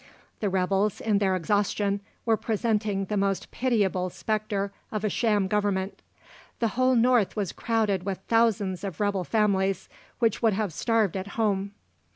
The rebels, in their exhaustion, were presenting the most pitiable spectre of a sham government. The whole North was crowded with thousands of rebel families which would have starved at home.